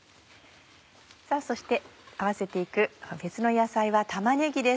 さぁそして合わせて行く別の野菜は玉ねぎです。